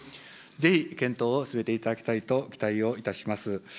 ぜひ検討を進めていただきたいと、期待をいたします。